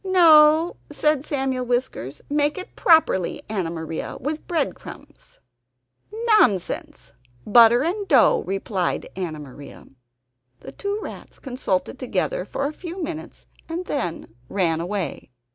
"No," said Samuel Whiskers, "make it properly, Anna Maria, with breadcrumbs." "Nonsense! Butter and dough," replied Anna Maria. The two rats consulted together for a few minutes and then went away.